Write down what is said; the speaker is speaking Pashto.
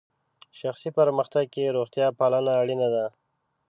شخصي پرمختګ کې روغتیا پالنه اړینه ده.